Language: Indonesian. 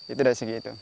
itu dari segi itu